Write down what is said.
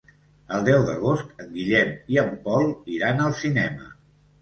El deu d'agost en Guillem i en Pol iran al cinema.